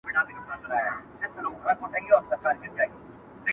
ولي سیوری اچولی خوب د پېغلي پر ورنونه٫